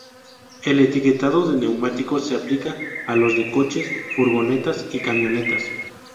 El etiquetado de neumáticos se aplica a los de coches, furgonetas y camiones.